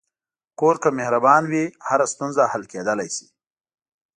کور که مهربان وي، هره ستونزه حل کېدلی شي.